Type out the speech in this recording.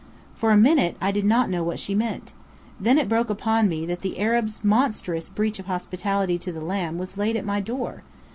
For a minute, I did not know what she meant. Then it broke upon me that the Arabs' monstrous breach of hospitality to the lamb was laid at my door.